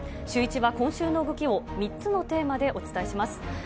シューイチは今週の動きを３つのテーマでお伝えします。